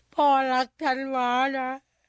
พ่อรักธันวานะ